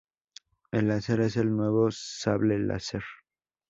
El Lancer es el nuevo sable láser".